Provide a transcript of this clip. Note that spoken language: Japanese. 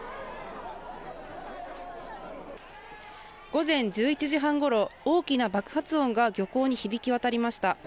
午前１１時半ごろ、大きな爆発音が漁港に響き渡りました。